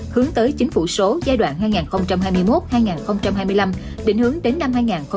hướng tới chính phủ số giai đoạn hai nghìn hai mươi một hai nghìn hai mươi năm định hướng đến năm hai nghìn ba mươi